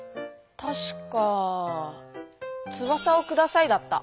たしか「翼をください」だった。